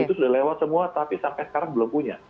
itu sudah lewat semua tapi sampai sekarang belum punya